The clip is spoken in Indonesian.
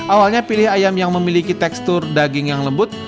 awalnya pilih ayam yang memiliki tekstur daging yang lembut